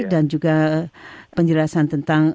dan juga penjelasan tentang